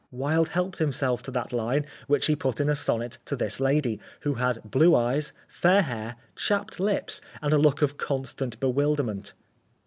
Wilde helped himself to that line which he put in a sonnet to this lady, who had blue eyes, fair hair, chapped lips, and a look of constant bewilderment.